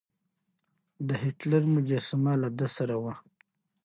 د هېټلر مجسمه له ده سره وه.